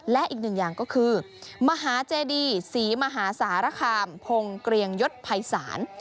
และอีกหนึ่งอย่างก็คือมหาเจดีศรีมหาสารคามพงศ์เกรียงยศภัยศาล